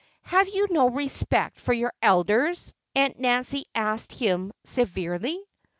"Have you no respect for your elders?" Aunt Nancy asked him severely.